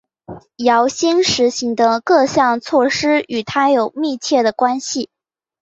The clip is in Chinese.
姚兴实行的各项措施与他有密切的关系。